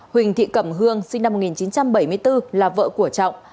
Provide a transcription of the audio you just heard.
huỳnh thị cẩm hương sinh năm một nghìn chín trăm bảy mươi bốn là vợ của trọng